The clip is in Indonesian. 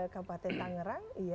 kabupaten tangerang iya